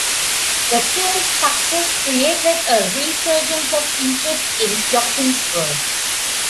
The film's success created a resurgence of interest in Joplin's work.